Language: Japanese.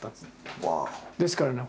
ですからね